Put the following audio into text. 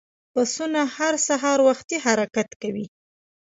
بسونه هر سهار وختي حرکت کوي.